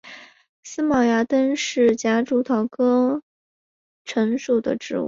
思茅山橙是夹竹桃科山橙属的植物。